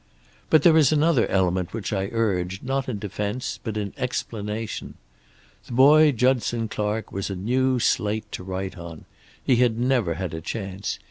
"But there is another element which I urge, not in defense but in explanation. The boy Judson Clark was a new slate to write on. He had never had a chance.